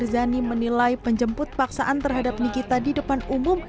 zani menilai penjemput paksaan terhadap nikita di depan umum